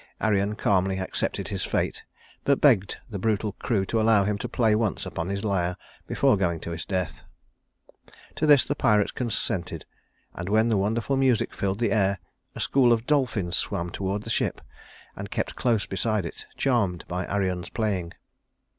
Arion calmly accepted his fate, but begged the brutal crew to allow him to play once upon his lyre before going to his death. To this the pirates consented, and when the wonderful music filled the air, a school of dolphins swam toward the ship and kept close beside it, charmed by Arion's playing.